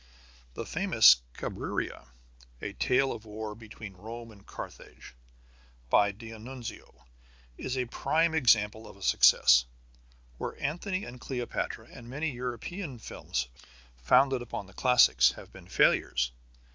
The famous Cabiria, a tale of war between Rome and Carthage, by D'Annunzio, is a prime example of a success, where Antony and Cleopatra and many European films founded upon the classics have been failures.